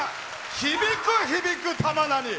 響く響く、玉名に。